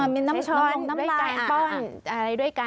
มีน้ำลงน้ำลายป้อนอะไรด้วยกัน